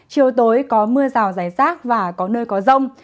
chiều tối có mưa rào rải rác và có nơi có rông